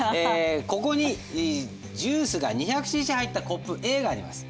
ここにジュースが２００ｃｃ入ったコップＡがあります。